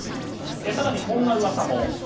更に、こんな噂も。